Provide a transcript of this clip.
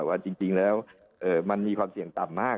ว่าจริงแล้วมันมีความเสี่ยงต่ำมาก